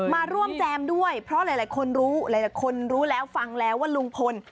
มาร่วมแจมด้วยเพราะหลายคนรู้หลายคนรู้แล้วฟังแล้วว่าลุงพล